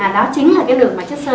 đó chính là cái đường mà chất sơ